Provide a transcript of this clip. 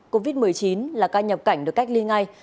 covid một mươi chín là ca nhập cảnh được cách ly ngay